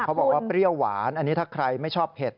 เขาบอกว่าเปรี้ยวหวานอันนี้ถ้าใครไม่ชอบเผ็ด